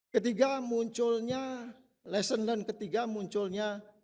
ketiga munculnya lesson learned ketiga munculnya